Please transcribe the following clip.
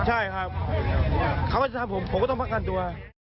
ใช่ครับเขาก็จะทำผมผมก็ต้องประกันตัว